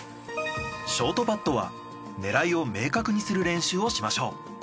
ショートパットは狙いを明確にする練習をしましょう。